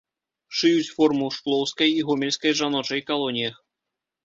Шыюць форму ў шклоўскай і гомельскай жаночай калоніях.